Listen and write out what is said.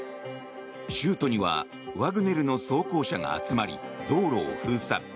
州都には、ワグネルの装甲車が集まり道路を封鎖。